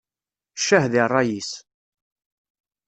Ccah di ṛṛay-is!